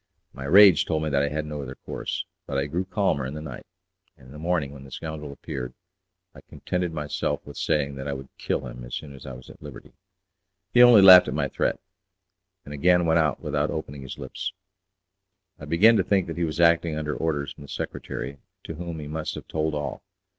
My rage told me that I had no other course, but I grew calmer in the night, and in the morning, when the scoundrel appeared, I contented myself with saying that I would kill him as soon as I was at liberty. He only laughed at my threat, and again went out without opening his lips. I began to think that he was acting under orders from the secretary, to whom he must have told all.